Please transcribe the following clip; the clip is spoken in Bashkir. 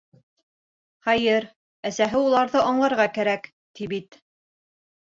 Хәйер, әсәһе «уларҙы аңларға кәрәк» ти бит.